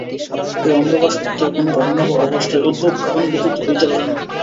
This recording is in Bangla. এই অন্ধকার সত্ত্বেও কোন ঘটনা বা অবস্থার উদ্ভব কারণ ব্যতীত হইতে পারে না।